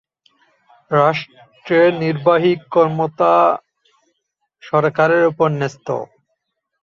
রাষ্ট্রের নির্বাহী ক্ষমতা সরকারের ওপর ন্যস্ত।